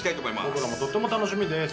僕らもとっても楽しみです。